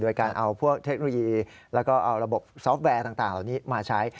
โดยการเอาพวกเทคโนโลยีแล้วก็เอาระบบซอฟต์แวร์ต่างเหล่านี้มาใช้